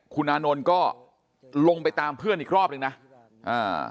คุณอานนท์ก็ลงไปตามเพื่อนอีกรอบหนึ่งนะอ่า